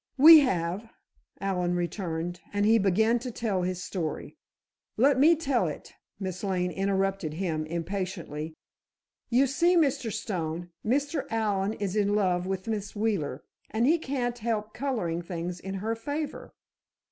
"We have," Allen returned, and he began to tell his story. "Let me tell it," Miss Lane interrupted him, impatiently. "You see, Mr. Stone, Mr. Allen is in love with Miss Wheeler, and he can't help coloring things in her favor."